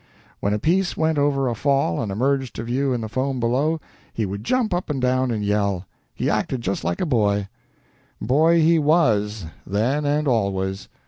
When a piece went over a fall and emerged to view in the foam below, he would jump up and down and yell. He acted just like a boy. Boy he was, then and always.